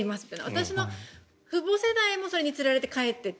私の父母世代もそれにつられて帰っていた。